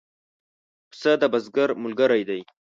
پسه د بزګر ملګری دی.